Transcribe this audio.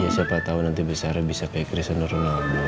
siapa tau nanti besarnya bisa kayak krisen renalmu